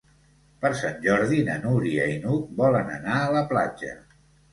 Per Sant Jordi na Núria i n'Hug volen anar a la platja.